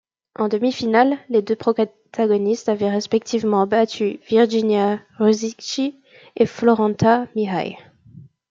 En demi-finale, les deux protagonistes avaient respectivement battu Virginia Ruzici et Florenta Mihai.